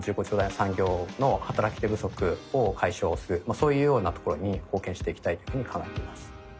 そういうようなところに貢献していきたいというふうに考えています。